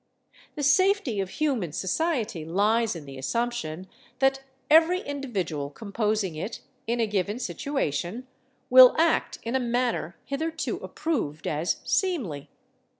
The safety of human society lies in the assumption that every individual composing it, in a given situation, will act in a manner hitherto approved as seemly.